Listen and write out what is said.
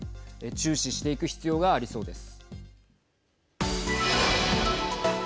注視していく必要がありそうです。